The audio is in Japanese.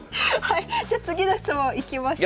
じゃ次の質問いきましょう。